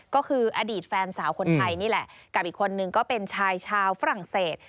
ก็คืออดีตแฟนสาวคนไทยนี่แหละกับอีกคนนึงก็เป็นชายชาวฝรั่งเศส